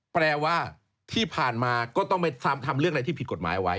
แปลว่าที่ผ่านมาก็ต้องไปทำเรื่องอะไรที่ผิดกฎหมายไว้